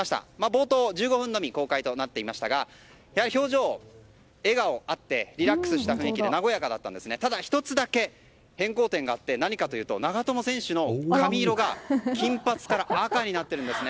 冒頭、１５分のみの公開となっていましたが表情、笑顔あってリラックスした雰囲気あって和やかだったんですがただ、１つだけ変更点があって長友選手の髪色が金髪から赤になっているんです。